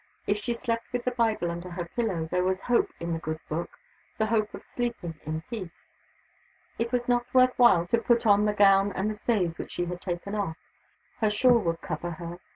If she slept with the Bible under her pillow, there was hope in the good book the hope of sleeping in peace. It was not worth while to put on the gown and the stays which she had taken off. Her shawl would cover her.